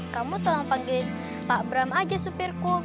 kamu tolong panggil pak bram aja supirku